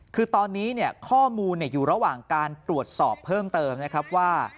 คือตอนนี้ข้อมูลอยู่ระหว่างการตรวจสอบเพิ่มเติมนะครับว่า